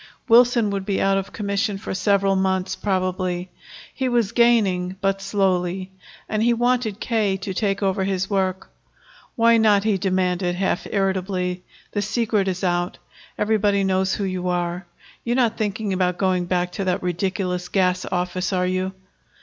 Wilson would be out of commission for several months, probably. He was gaining, but slowly. And he wanted K. to take over his work. "Why not?" he demanded, half irritably. "The secret is out. Everybody knows who you are. You're not thinking about going back to that ridiculous gas office, are you?"